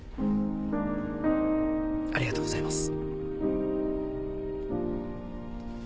ありがとうございます。